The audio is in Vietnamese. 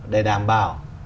để đảm bảo